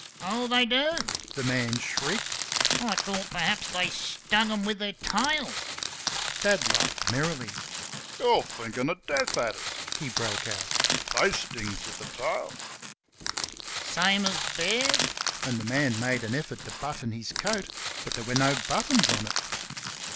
"Oh, they do!" the man shrieked. "I thought perhaps they stung them with their tails!" Dad laughed merrily. "Y'r thinkin' o' death adders," he broke out; "they stings with th' tail!" "Same as bears?" and the man made an effort to button his coat, but there were no buttons on it.